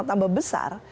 yang mau tambah besar